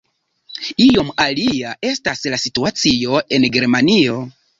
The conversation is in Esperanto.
Iom alia estas la situacio en Germanio.